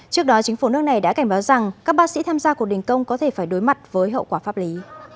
trước đó chính phủ nước này đã cảnh báo rằng các bác sĩ tham gia cuộc đình công có thể phải đối mặt với hậu quả pháp lý